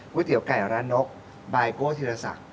เตี๋ยวไก่ร้านนกบายโก้ธีรศักดิ์